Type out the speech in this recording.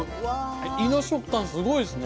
胃の食感すごいですね。